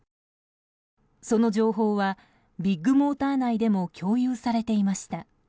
その情報はビッグモーター内でも共有されていました。